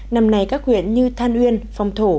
năm nay các huyện như than uyên phong thổ